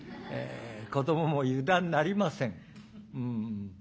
子どもも油断なりません。